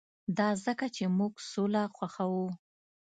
دا ځکه چې موږ سوله خوښوو